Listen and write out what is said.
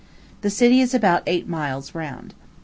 The city is about eight miles round.